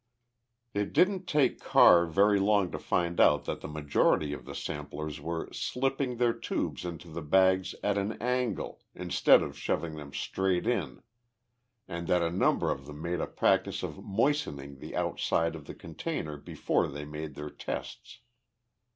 It didn't take Carr very long to find out that the majority of the samplers were slipping their tubes into the bags at an angle, instead of shoving them straight in, and that a number of them made a practice of moistening the outside of the container before they made their tests.